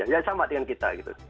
yang sama dengan kita